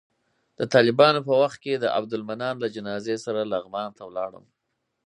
د طالبانو په وخت کې د عبدالمنان له جنازې سره لغمان ته ولاړم.